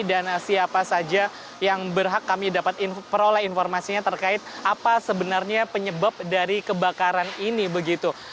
dan siapa saja yang berhak kami dapat peroleh informasinya terkait apa sebenarnya penyebab dari kebakaran ini begitu